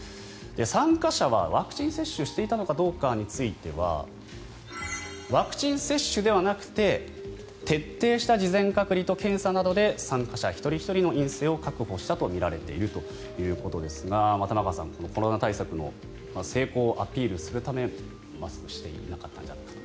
参加者はワクチン接種していたのかどうかについてはワクチン接種ではなくて徹底した事前隔離と検査などで参加者一人ひとりの陰性を確保したとみられているということですが玉川さん、コロナ対策の成功をアピールするためにマスクをしていなかったと。